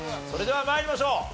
それでは参りましょう。